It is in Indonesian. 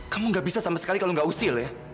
kamu gak bisa sama sekali kalau nggak usil ya